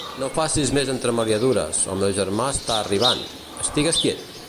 No facis més entremaliadures, el meu germà està arribant: estigues quiet!